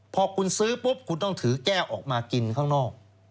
พอคุณซื้อปุ๊บคุณต้องถือแก้วออกมากินข้างนอก